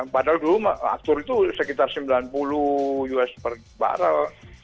padahal dulu aftur itu sekitar sembilan puluh us per barrel